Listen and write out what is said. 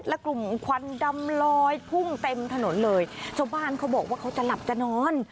และกลุ่มควันดำลอยพุ่งเต็มถนนเลยชาวบ้านเขาบอกว่าเขาจะหลับจะนอน